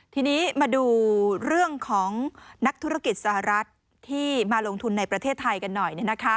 ทีนี้มาดูเรื่องของนักธุรกิจสหรัฐที่มาลงทุนในประเทศไทยกันหน่อย